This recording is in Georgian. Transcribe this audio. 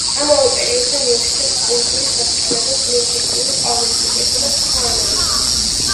ამავე პერიოდზე მიუთითებს კუნძულის დასახლებას ლინგვისტური, ყვავილის მტვრის და სხვა ანალიზები.